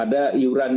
ada iuran yang